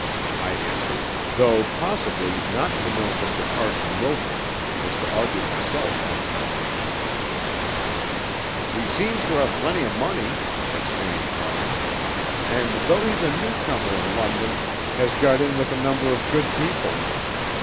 "No," I answered, though possibly not to know Mr. Carson Wildred was to argue myself unknown. "He seems to have plenty of money," explained Farnham, "and though he's a newcomer in London, has got in with a number of good people.